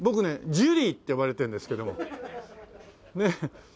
ジュリーって呼ばれてんですけどねえ。